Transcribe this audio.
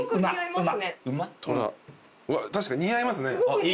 確かに似合いますね。